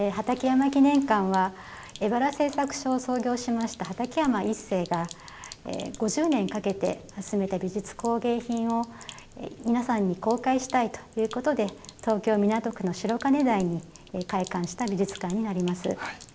畠山記念館は荏原製作所を創業しました畠山一清が５０年かけて集めた美術工芸品をみなさんに公開したいと言うことで東京港区の白金台に開館した美術館になります。